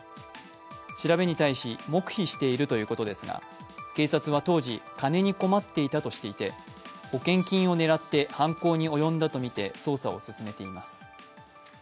調べに対し黙秘しているということですが警察は当時金に困っていたとしていて保険金を狙って犯行に及んだとみて捜査を進めています。